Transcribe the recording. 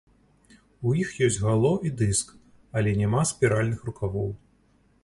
У іх ёсць гало і дыск, але няма спіральных рукавоў.